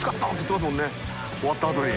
関）終わったあとに。